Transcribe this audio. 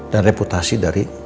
dan reputasi dari